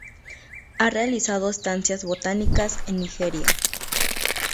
Ha realizado estancias botánicas en Nigeria.